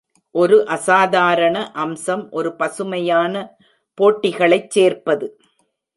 ஒரு அசாதாரண அம்சம் ஒரு பசுமையான போட்டிகளைச் சேர்ப்பது.